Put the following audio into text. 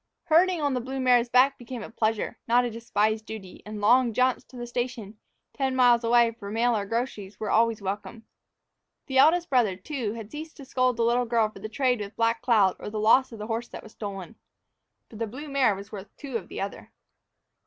Herding on the blue mare's back became a pleasure, not a despised duty, and long jaunts to the station, ten miles away, for mail or groceries, were welcomed. The eldest brother, too, had ceased to scold the little girl for the trade with Black Cloud or for the loss of the horse that was stolen. For the blue mare was worth two of the other.